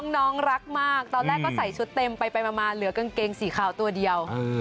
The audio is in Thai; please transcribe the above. น้องรักมากตอนแรกก็ใส่ชุดเต็มไปมาเหลือกางเกงสีขาวตัวเดียว